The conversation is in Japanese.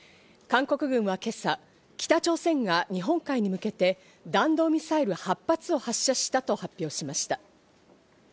韓国軍は今朝、北朝鮮が日本海に向けて弾道ミサイル８発を発射したと発表しました。